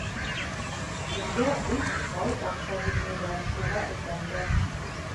Беҙгә өс ай аҡса бирмәйҙәр, шуға әйтәм дә.